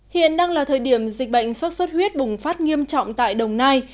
hiện đang là thời điểm dịch bệnh sốt xuất huyết bùng phát nghiêm trọng tại đồng nai